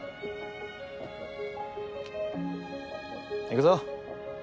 行くぞ。